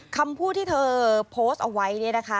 คำพูดที่เธอโพสต์เอาไว้เนี่ยนะคะ